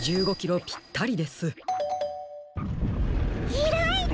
ひらいた！